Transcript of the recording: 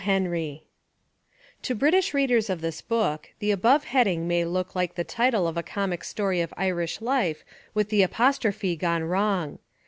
Henry To British readers of this book the above heading may look like the title of a comic story of Irish life with the apostrophe gone wrong.